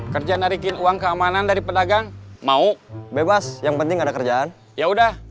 kerja narikin uang keamanan dari pedagang mau bebas yang penting ada kerjaan yaudah